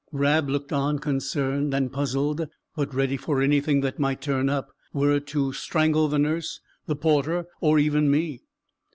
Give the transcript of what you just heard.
Rab looked on concerned and puzzled, but ready for anything that might turn up were it to strangle the nurse, the porter, or even me.